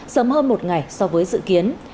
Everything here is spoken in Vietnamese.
sớm hơn một ngày so với dự kiến